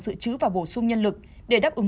giữ chứ và bổ sung nhân lực để đáp ứng